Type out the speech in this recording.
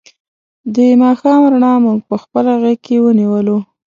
د ماښام رڼا مونږ په خپله غېږ کې ونیولو.